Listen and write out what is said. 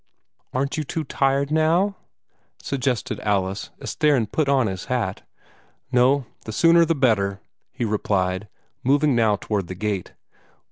"Aren't you too tired now?" suggested Alice, as Theron put on his hat. "No, the sooner the better," he replied, moving now toward the gate.